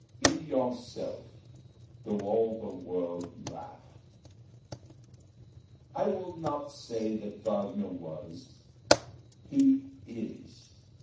Be yourself, though all the world laugh. I will not say that Wagner was he is.